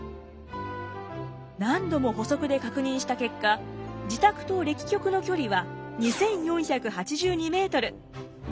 何度も歩測で確認した結果自宅と暦局の距離は２，４８２メートル。